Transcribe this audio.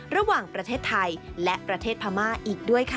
ระหว่างประเทศไทยและประเทศพม่าอีกด้วยค่ะ